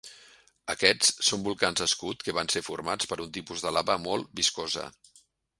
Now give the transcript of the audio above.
Aquests són volcans escut que van ser formats per un tipus de lava molt viscosa.